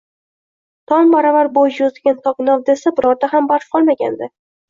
Tom baravar bo`y cho`zgan tok novdasida birorta ham barg qolmagandi